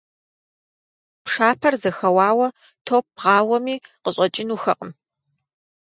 Пшапэр зэхэуауэ, топ бгъауэми, къыщӀэкӀынухэкъым.